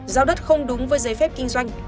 giao đất không đúng với giấy phép kinh doanh